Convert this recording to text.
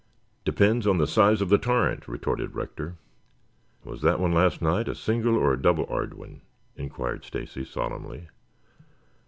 "Depends upon the size of the torrent," retorted Rector. "Was that one last night a single or a double r'd one?" inquired Stacy solemnly.